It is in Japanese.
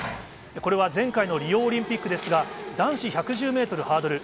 これは前回のリオオリンピックですが、男子１１０メートルハードル。